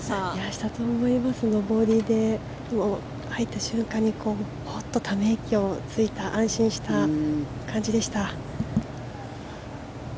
上りで、入った瞬間にホッとため息をついた安心した感じでした。